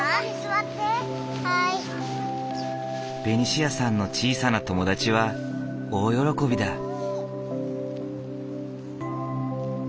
ベニシアさんの小さな友達は大喜びだ。